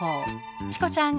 チコちゃん